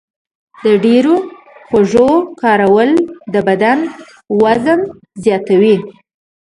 د ډېرو خوږو کارول د بدن وزن زیاتوي.